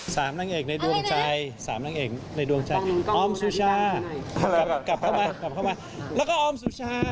๓นางเอกในดวงใจออมสุชากลับเข้ามาแล้วก็ออมสุชา